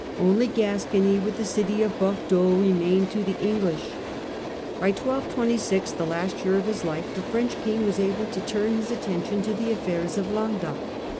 Only Gascony, with the city of Bordeaux, remained to the English. By 1226, the last year of his life, thcTheAibi French king was able to turn his attention to the affairs cru^^de of Languedoc.